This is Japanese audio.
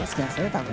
多分。